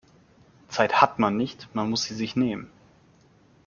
Zeit hat man nicht, man muss sie sich nehmen.